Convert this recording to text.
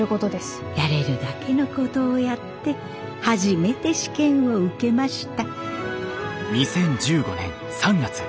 やれるだけのことをやって初めて試験を受けました。